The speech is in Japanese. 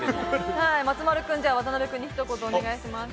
松丸君、渡邊君にひと言お願いします。